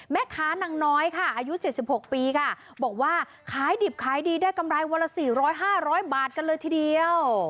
แม่ค้านางน้อยค่ะอายุ๗๖ปีค่ะบอกว่าขายดิบขายดีได้กำไรวันละ๔๐๐๕๐๐บาทกันเลยทีเดียว